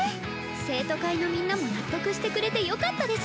生徒会のみんなも納得してくれてよかったです。